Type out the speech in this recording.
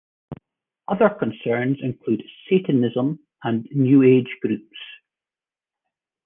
Other concerns included Satanism and New Age groups.